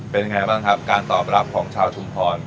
เป็นยังไงบ้างครับการตอบรับของชาวชุมพร